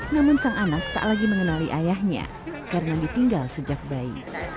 namun sang anak tak lagi mengenali ayahnya karena ditinggal sejak bayi